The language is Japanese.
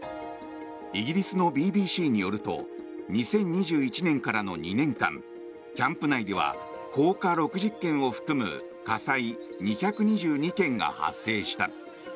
イギリスのＢＢＣによると２０２１年からの２年間キャンプ内では放火６０件を含む火災２２２件が発生した。